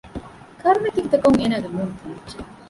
ކަރުނަތިކިތަކުން އޭނާގެ މޫނު ތެމިއްޖެ